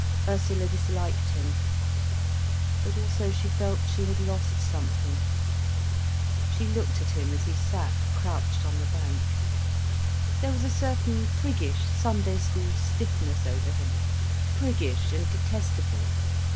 Ursula disliked him. But also she felt she had lost something. She looked at him as he sat crouched on the bank. There was a certain priggish Sunday school stiffness over him, priggish and detestable.